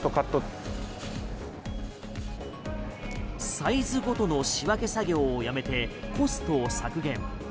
サイズごとの仕分け作業をやめてコストを削減。